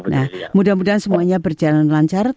nah mudah mudahan semuanya berjalan lancar